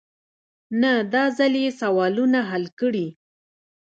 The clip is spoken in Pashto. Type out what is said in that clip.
نه داځل يې سوالونه حل کړي.